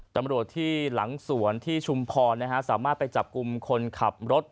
ตำรวจที่หลังสวนที่ชุมพรสามารถไปจับกลุ่มคนขับรถ